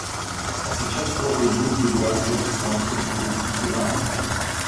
А сейчас слово имеет делегация Исламской Республики Иран.